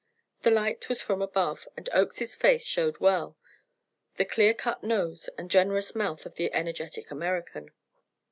The light was from above, and Oakes's face showed well the clear cut nose and generous mouth of the energetic American.